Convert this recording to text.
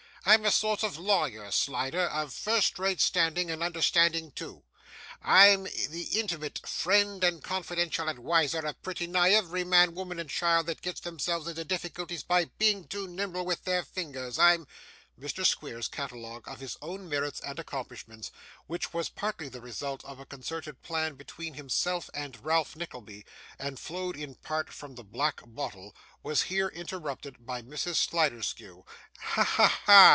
I'm a sort of a lawyer, Slider, of first rate standing, and understanding too; I'm the intimate friend and confidential adwiser of pretty nigh every man, woman, and child that gets themselves into difficulties by being too nimble with their fingers, I'm ' Mr. Squeers's catalogue of his own merits and accomplishments, which was partly the result of a concerted plan between himself and Ralph Nickleby, and flowed, in part, from the black bottle, was here interrupted by Mrs. Sliderskew. 'Ha, ha, ha!